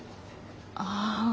ああ。